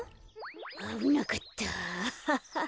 あぶなかったアハハ。